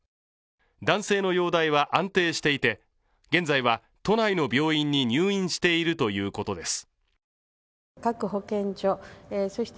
男性の容体は安定していて、現在は都内の病院に入院しているということです。